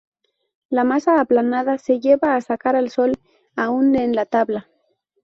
La masa aplanada se lleva a secar al sol, aún en la tabla.